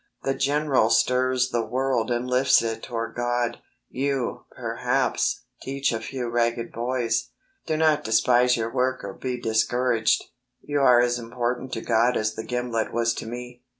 The General stirs the world and lifts it toward God. You, perhaps, teach a few ragged boys. Do not despise your work or be discouraged. You are as important to God as the gimlet was to me.